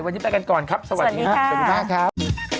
วันนี้ไปกันก่อนครับสวัสดีครับสวัสดีมากครับ